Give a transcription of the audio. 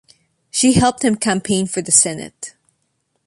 She helped him campaign for the Senate.